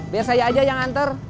biar saya aja yang antar